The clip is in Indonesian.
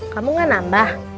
kamu gak nambah